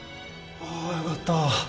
あよかった。